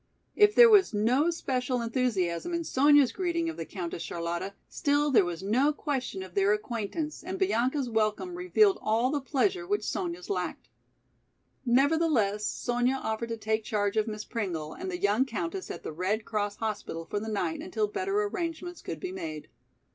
If there was no especial enthusiasm in Sonya's greeting of the Countess Charlotta, still there was no question of their acquaintance and Bianca's welcome revealed all the pleasure which Sonya's lacked. Nevertheless, Sonya offered to take charge of Miss Pringle and the young countess at the Red Cross hospital for the night until better arrangements could be made.